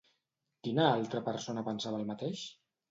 Quina altra persona pensava el mateix?